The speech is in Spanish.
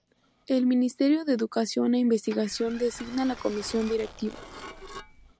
El Ministerio de Educación e Investigación designa la comisión directiva.